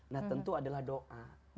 nah tentu adalah doa